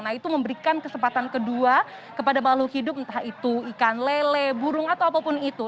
nah itu memberikan kesempatan kedua kepada makhluk hidup entah itu ikan lele burung atau apapun itu